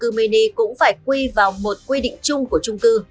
chúng cư mini cũng phải quy vào một quy định chung của chung cư